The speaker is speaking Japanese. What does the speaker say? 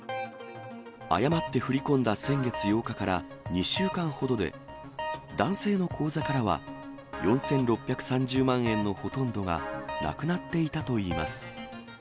誤って振り込んだ先月８日から２週間ほどで、男性の口座からは４６３０万円のほとんどが、なくなっていたといいます。